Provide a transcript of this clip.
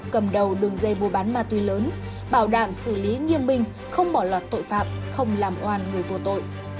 cầm đầu đường dây mua bán ma túy lớn bảo đảm xử lý nghiêm minh không bỏ lọt tội phạm không làm oan người vô tội